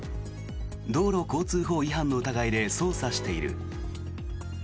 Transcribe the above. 道路交通法違反の疑いで捜査している。